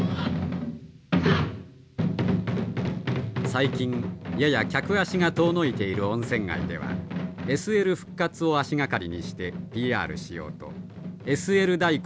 最近やや客足が遠のいている温泉街ではＳＬ復活を足がかりにしてＰＲしようとＳＬ太鼓を作りました。